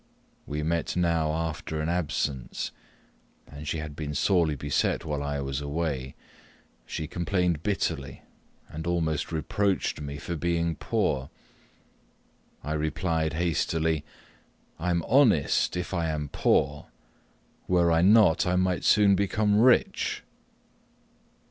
We met now after an absence, and she had been sorely beset while I was away; she complained bitterly, and almost reproached me for being poor. I replied hastily, "I am honest, if I am poor! were I not, I might soon become rich!"